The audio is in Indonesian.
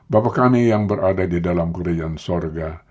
bapak kami yang berada di dalam keriyon sorga